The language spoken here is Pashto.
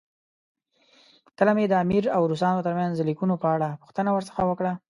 کله مې د امیر او روسانو ترمنځ د لیکونو په اړه پوښتنه ورڅخه وکړه.